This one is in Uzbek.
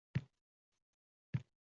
u o‘zini yakkalanib qolgandek his qiladi.